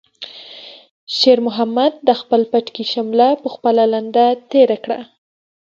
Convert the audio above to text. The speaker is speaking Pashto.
شېرمحمد د خپل پټکي شمله په خپله لنده تېره کړه.